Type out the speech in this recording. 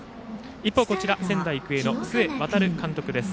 一方、仙台育英の須江航監督です。